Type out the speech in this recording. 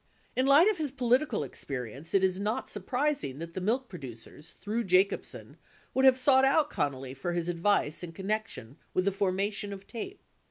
9 In light of his political experience, it is not surprising that the milk producers, through Jacobsen, would have sought out Connally for his advice in connection with the formation of TAPE.